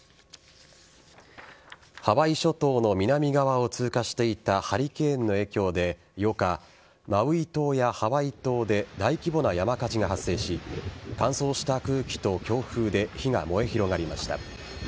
ハワイ諸島の南側を通過していたハリケーンの影響で８日マウイ島やハワイ島で大規模な山火事が発生し乾燥した空気と強風で火が燃え広がりました。